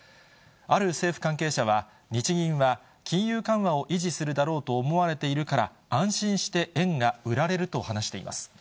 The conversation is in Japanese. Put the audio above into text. ある政府関係者は、日銀は、金融緩和を維持するだろうと思われているから、安心して円が売られると話しています。